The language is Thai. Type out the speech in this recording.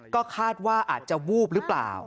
ก็คาดว่าอาจจะวูบหรือเปล่า